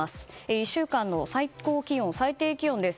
１週間の最高気温、最低気温です。